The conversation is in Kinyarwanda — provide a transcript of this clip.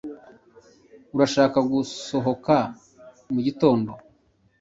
Urashaka gusohoka mugitondo?